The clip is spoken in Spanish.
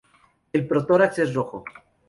El protórax es rojo.